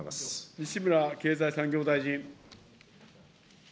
西村経済産業大臣。